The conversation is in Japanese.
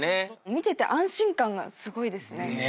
見てて安心感がすごいですね。